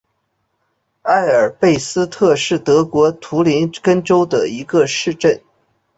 埃贝尔斯特是德国图林根州的一个市镇。